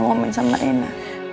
mau main sama rena